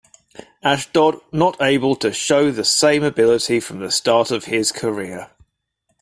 Ashdod not able to show the same ability from the start of his career.